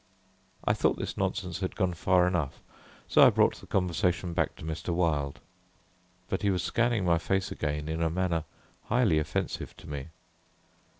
I thought this nonsense had gone far enough, so I brought the conversation back to Mr. Wilde; but he was scanning my face again in a manner highly offensive to me.